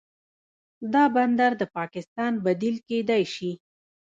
دا بندر د پاکستان بدیل کیدی شي.